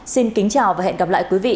xin kính chào và hẹn gặp lại quý vị